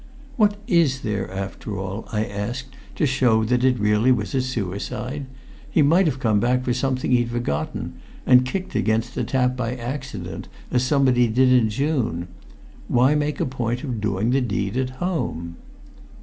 "What is there, after all," I asked, "to show that it really was a suicide? He might have come back for something he'd forgotten, and kicked against the tap by accident, as somebody did in June. Why make a point of doing the deed at home?"